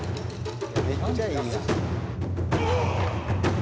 「めっちゃええやん」